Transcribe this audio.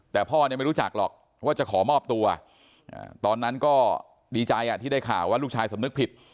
แต่พ่อเนี่ยไม่รู้จักหรอกว่าจะขอมอบตัวตอนนั้นก็ดีใจที่ได้ข่าวว่าลูกชายสำนึกผิด